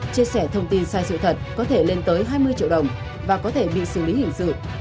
chia sẻ thông tin sai sự thật có thể lên tới hai mươi triệu đồng và có thể bị xử lý hình sự